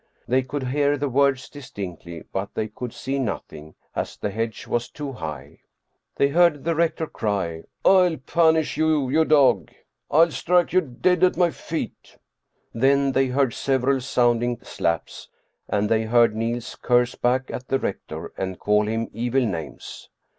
They could hear the words distinctly but they could see nothing, as the hedge was too high. They heard the rector cry, " I'll punish you, you dog. I'll strike you dead at my feet !" Then they heard several sounding slaps, and they heard Niels curse back at the rector and call him evil names.